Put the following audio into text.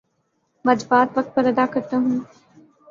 واجبات وقت پر ادا کرتا ہوں